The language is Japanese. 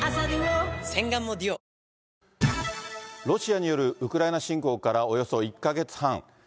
ロシアによるウクライナ侵攻からおよそ１か月半。